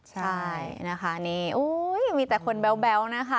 ใช่นะคะนี่มีแต่คนแบ๊วนะคะ